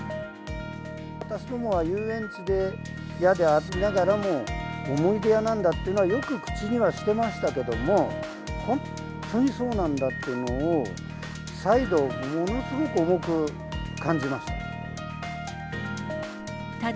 私どもは遊園地でありながらも、思い出屋なんだっていうのはよく口にはしてましたけども、本当にそうなんだっていうのを、再度、ものすごく重く感じました。